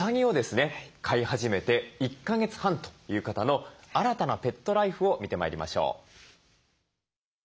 飼い始めて１か月半という方の新たなペットライフを見てまいりましょう。